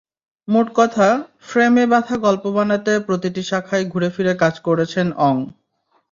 মোটকথা, ফ্রেমে বাঁধা গল্প বানাতে প্রতিটি শাখায় ঘুরেফিরে কাজ করেছেন অং।